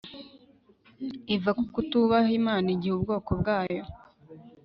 iva kukutubaha imana igihe ubwoko bwayo